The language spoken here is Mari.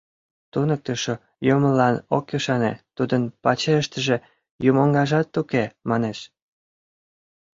Туныктышо юмылан ок ӱшане, тудын пачерыштыже юмоҥажат уке, манеш.